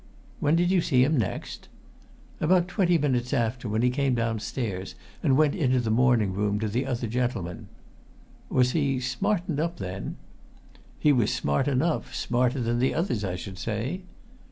"When did you see him next?" "About twenty minutes after, when he came downstairs and went into the morning room to the other gentlemen." "Was he smartened up then?" "He was smart enough smarter than the others, I should say."